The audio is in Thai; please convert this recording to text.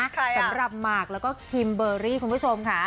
สำหรับหมากแล้วก็คิมเบอร์รี่คุณผู้ชมค่ะ